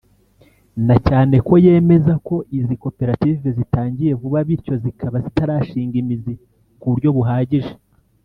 na cyane ko yemeza ko izi koperative zitangiye vuba bityo zikaba zitarashinga imizi ku buryo buhagije